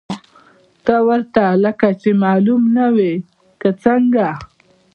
ته ورته لکه چې معلوم نه وې، که څنګه؟